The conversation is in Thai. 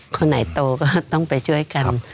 คนไหนโตก็ต้องไปช่วยกัน